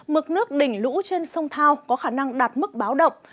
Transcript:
mực nước đỉnh lũ trên sông thao có khả năng đạt mức báo động